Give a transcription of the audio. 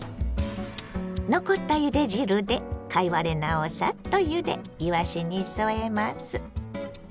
残ったゆで汁で貝割れ菜をサッとゆでいわしに添えます。